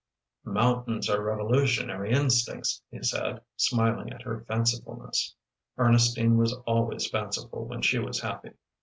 "Mountains are revolutionary instincts," he said, smiling at her fancifulness Ernestine was always fanciful when she was happy.